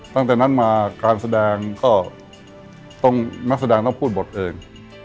ตั้งแต่นั้นมาการแสดงก็ต้องนักแสดงต้องพูดบทเอง